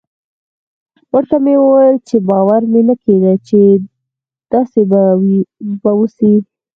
ورته ومې ويل چې باور مې نه کېده چې داسې به وسي.